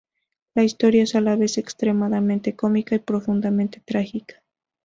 La historia es a la vez extremadamente cómica y profundamente trágica.